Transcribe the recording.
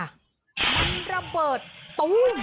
มันระเบิดตู้ม